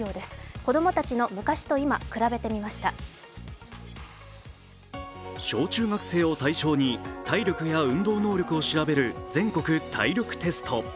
子供たちの昔と今、比べてみました小中学生を対象に体力や運動能力を調べる全国体力テスト。